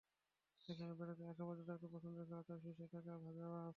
এখানে বেড়াতে আসা পর্যটকদের পছন্দের খাবার তালিকার শীর্ষে থাকে ভাজা মাছ।